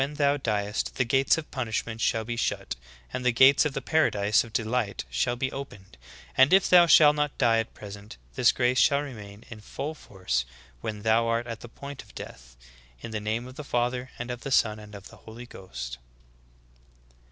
thou diest, the gates of punishment shall be shut, and the gates of the paradise of delight shall be opened ; and if thou shalt not die at present, this grace shall remain in full force when thou art at the point of death. In the name of the Father and of the Son and of the Holy Ghost."'"